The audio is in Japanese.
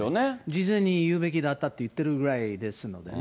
事前に言うべきだったって言ってるぐらいですからね。